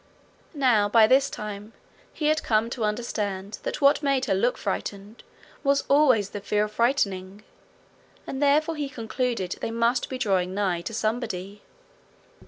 Now, by this time he had come to understand that what made her look frightened was always the fear of frightening, and he therefore concluded they must be drawing nigh to somebody.